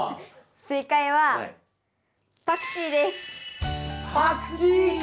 正解はパクチーか！